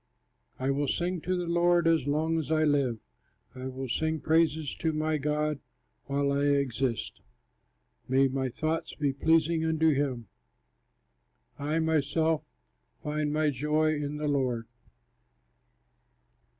I will sing to the Lord as long as I live, I will sing praise to my God while I exist. May my thoughts be pleasing unto him; I myself find my joy in the Lord.